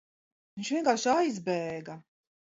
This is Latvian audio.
Viņš vienkārši aizbēga.